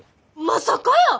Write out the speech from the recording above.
まさかやー！